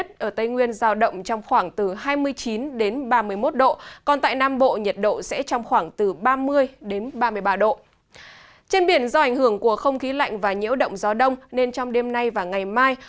trên biển do ảnh hưởng của không khí lạnh và nhiễu động gió đông nên trong đêm nay và ngày mai